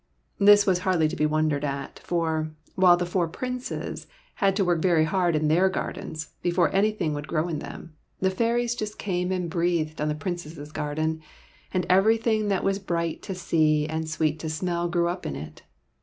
This was hardly to be won dered at, for, while the four Princes had to work very hard in their gardens before any thing would grow in them, the fairies just came and breathed on the Princess's garden, and everything that was bright to see and sweet to smell grew up in it.